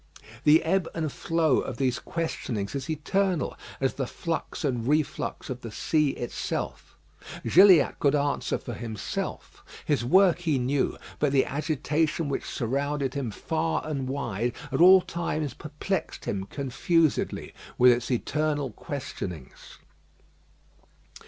The ebb and flow of these questionings is eternal, as the flux and reflux of the sea itself. Gilliatt could answer for himself; his work he knew, but the agitation which surrounded him far and wide at all times perplexed him confusedly with its eternal questionings.